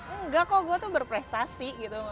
enggak kok gue tuh berprestasi gitu